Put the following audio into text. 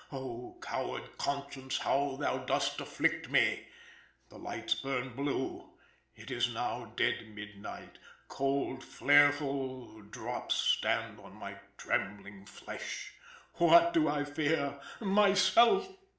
Oh! coward conscience how thou dost afflict me! The lights burn blue. It is now dead midnight! Cold, flareful drops stand on my trembling flesh. What do I fear? Myself!